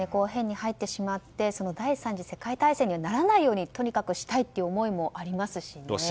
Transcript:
変に入ってしまって第３次世界大戦にならないようにとにかくしたいという思いもありますしね。